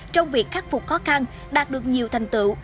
trong việc khắc phục khó khăn đạt được nhiều thành tựu